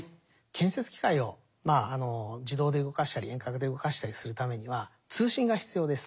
建設機械を自動で動かしたり遠隔で動かしたりするためには通信が必要です。